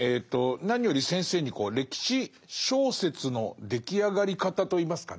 何より先生に歴史小説の出来上がり方といいますかね